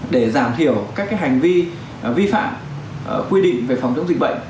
để giảm thiểu các hành vi vi phạm quy định về phòng chống dịch bệnh